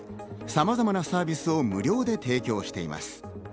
さまざまなサービスを無料で提供しています。